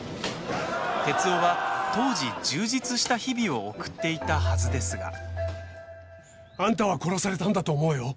徹生は当時、充実した日々を送っていたはずですが。あんたは殺されたんだと思うよ。